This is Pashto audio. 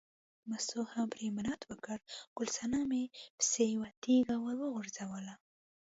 مستو هم پرې منت وکړ، ګل صنمې پسې یوه تیږه ور وغورځوله.